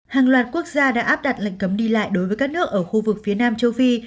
hàng loạt quốc gia đã áp đặt lệnh cấm đi lại đối với các nước ở khu vực phía nam châu phi